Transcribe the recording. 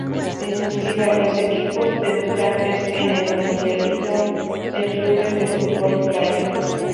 En "cursiva", los equipos debutantes en el Mundialito de Clubes de Fútbol Playa.